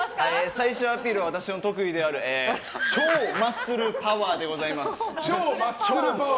最終アピールは私の特技である超マッスルパワーでございます。